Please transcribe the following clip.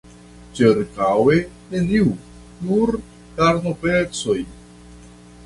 Ĉirkaŭe neniu: nur karnopecoj.